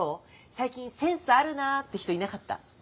最近センスあるなって人いなかった？